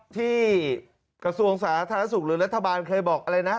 กระทรวงสาธารณสุขหรือรัฐบาลเคยบอกอะไรนะ